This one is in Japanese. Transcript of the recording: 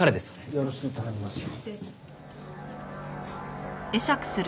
よろしく頼みます。